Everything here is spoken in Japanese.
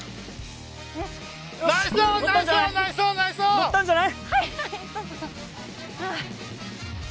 乗ったんじゃない？